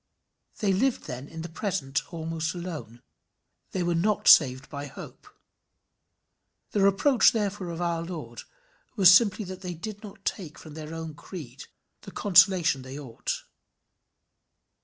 They lived then in the present almost alone; they were not saved by hope. The reproach therefore of our Lord was simply that they did not take from their own creed the consolation they ought.